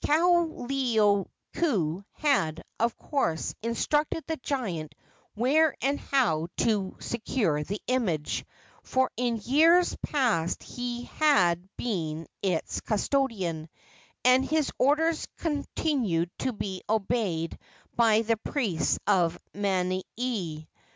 Kaoleioku had, of course, instructed the giant where and how to secure the image, for in years past he had been its custodian, and his orders continued to be obeyed by the priests of Manini.